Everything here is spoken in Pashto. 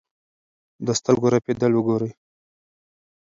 د سترګو رپېدل وګورئ.